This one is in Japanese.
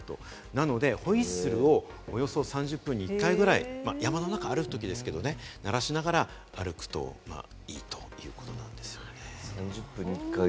なのでホイッスルをおよそ３０分に１回ぐらい山の中を歩くときですけれども、鳴らしながら歩くといいということなんです。